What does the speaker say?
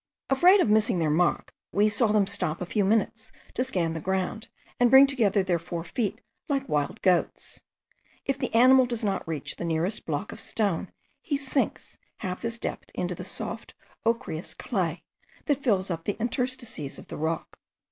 Afraid of missing their mark, we saw them stop a few minutes to scan the ground, and bring together their four feet like wild goats. If the animal does not reach the nearest block of stone, he sinks half his depth into the soft ochreous clay, that fills up the interstices of the rock.